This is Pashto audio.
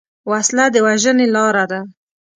وسله د وژنې لاره ده